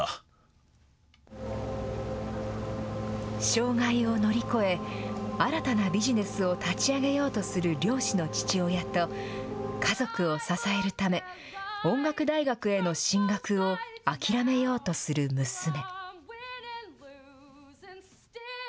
障害を乗り越え、新たなビジネスを立ち上げようとする漁師の父親と、家族を支えるため、音楽大学への進学を諦めようとする娘。